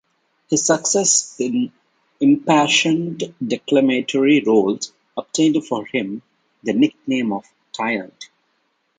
His success in impassioned declamatory roles obtained for him the nickname of "Tyrant".